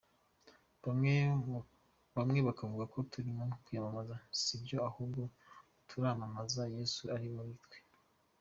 bamwe bakavuga ko turimo kwiyamamaza, si byo ahubwo turamamaza Yesu uri muri twe.